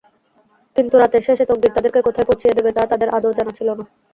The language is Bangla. কিন্তু রাতের শেষে তকদীর তাদেরকে কোথায় পৌঁছিয়ে দেবে তা তাদের আদৌ জানা ছিল না।